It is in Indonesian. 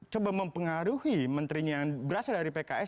coba mempengaruhi menterinya yang berasal dari pks